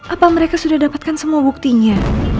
apa mereka sudah dapatkan semua buktinya